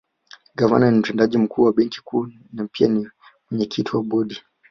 Gavana ni Mtendaji Mkuu wa Benki Kuu na pia ni mwenyekiti wa Bodi